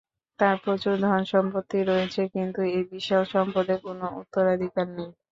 তার প্রচুর ধন সম্পত্তি রয়েছে, কিন্তু এই বিশাল সম্পদের কোনো উত্তরাধিকার নেই।